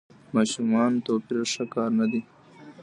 د ماشومانو توپیر ښه کار نه دی.